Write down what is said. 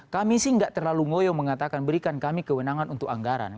kami sih nggak terlalu ngoyo mengatakan berikan kami kewenangan untuk anggaran